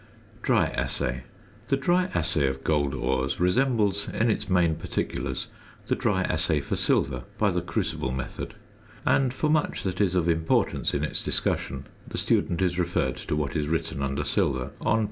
DRY ASSAY. The dry assay of gold ores resembles in its main particulars the dry assay for silver by the crucible method; and for much that is of importance in its discussion the student is referred to what is written under Silver on pp.